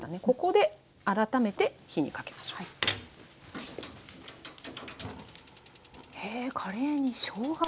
ここで改めて火にかけましょう。